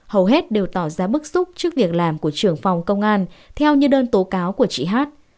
hầu hết đều tỏ ra bức xúc trước việc làm của trưởng phòng công an theo như đơn tố cáo của chị hát